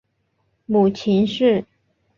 母秦氏。